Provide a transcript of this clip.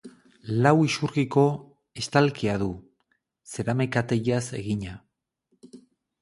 Lau isurkiko estalkia du, zeramika-teilaz egina.